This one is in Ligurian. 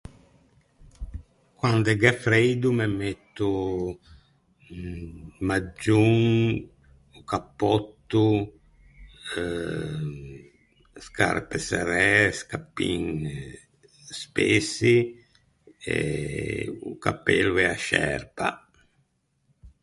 Quande gh’é freido me metto maggion, cappòtto, scarpe serræ, scappin spessi e o cappello e a scerpa.